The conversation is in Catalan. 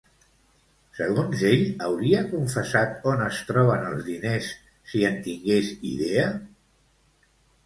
Segons ell, hauria confessat on es troben els diners si en tingués idea?